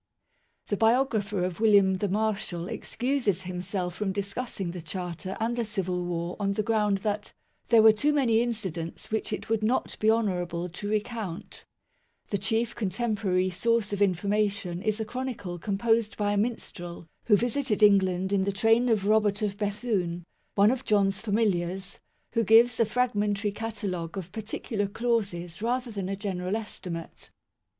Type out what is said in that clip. The biographer of William the Marshal excuses himself from discussing the Charter and the Civil War on the ground that " there were too many incidents which it would not be honourable to recount ". The chief con temporary source of information is a Chronicle com posed by a minstrel who visited England in the train of Robert of Bethune, one of John's familiars, who gives a fragmentary catalogue of particular clauses rather than a general estimate.